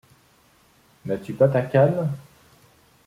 N’as-tu pas ta canne ?…